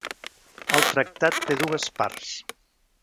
El tractat té dues parts.